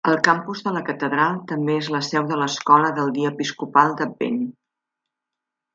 El campus de la catedral també és la seu de l'escola del dia Episcopal d'Advent.